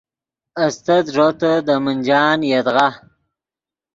استت ݱوتے دے منجان یدغا